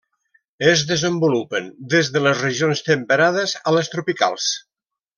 Es desenvolupen des de les regions temperades a les tropicals.